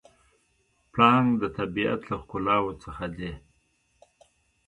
پړانګ د طبیعت له ښکلاوو څخه دی.